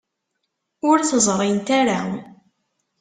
Ur t-ẓrint ara.